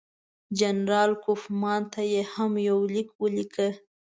جنرال کوفمان ته یې هم یو لیک ولیکه.